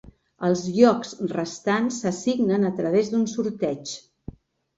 Els llocs restants s'assignen a través d'un sorteig.